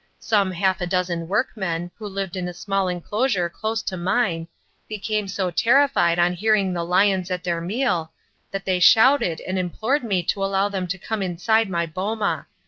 Some half a dozen workmen, who lived in a small enclosure close to mine, became so terrified on hearing the lions at their meal that they shouted and implored me to allow them to come inside my boma.